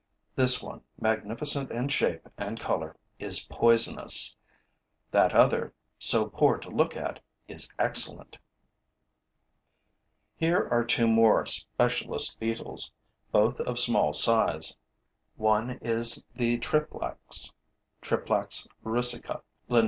This one, magnificent in shape and color, is poisonous; that other, so poor to look at, is excellent. Here are two more specialist beetles, both of small size. One is the Triplax (Triplax russica, LIN.)